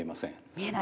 見えない。